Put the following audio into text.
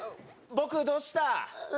僕どうした？